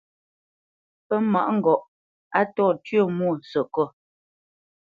Pə́ mâʼ ŋgɔʼ a ntô tyə̂ mwo sekot.